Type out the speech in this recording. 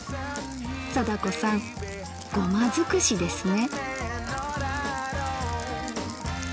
貞子さんゴマづくしですね！